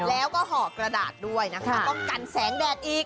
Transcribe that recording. แล้วก็ห่อกระดาษด้วยนะคะป้องกันแสงแดดอีก